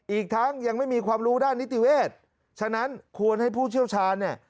อีกทั้งยังไม่มีความรู้ด้านนิติเวชฉะนั้นควรให้ผู้เชี่ยวชาญเนี่ย